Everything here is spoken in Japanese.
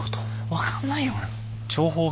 分かんないよ。